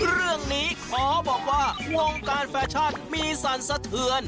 เรื่องนี้ขอบอกว่าวงการแฟชั่นมีสั่นสะเทือน